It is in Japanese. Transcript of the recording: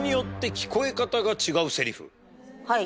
はい。